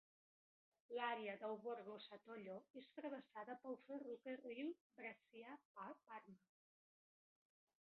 L'àrea de l'Borgosatollo és travessada pel ferrocarril Brescia-Parma.